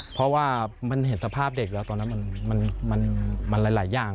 เพราะว่ามันเห็นสภาพเด็กแล้วตอนนั้นมันหลายอย่าง